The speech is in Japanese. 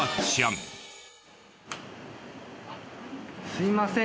すいません。